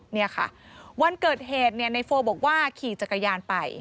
นี่ค่ะวันเกิดเหตุในโฟล์บอกว่าขี่จักรยานไป